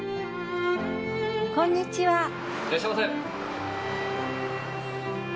こんにちは。